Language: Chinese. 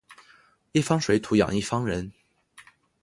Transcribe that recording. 一方水土养一方人